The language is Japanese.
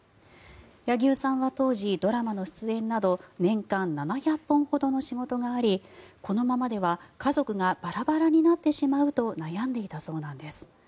柳生さんは当時、ドラマの出演など年間７００本ほどの仕事がありこのままでは家族がバラバラになってしまうと悩んでいたそうなんです。